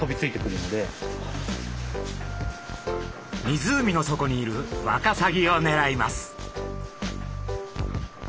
湖の底にいるワカサギをねらいます。